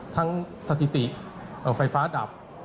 ทั้งสถิติไฟฟ้าดับ